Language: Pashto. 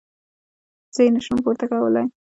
زه يې نه شم پورته کولاى.